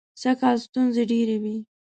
سږکال ستونزې ډېرې وې.